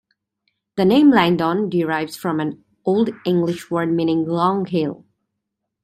The name "Langdon" derives from an Old English word meaning "long hill".